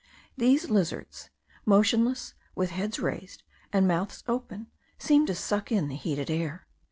These lizards, motionless, with heads raised, and mouths open, seemed to suck in the heated air.